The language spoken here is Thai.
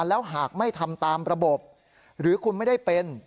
แล้วหากไม่ทำตามระบบหรือคุณไม่ได้เป็น